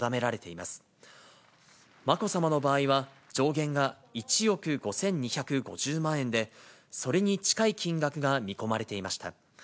まこさまの場合は、上限が１億５２５０万円で、それに近い金額が見込まれていました。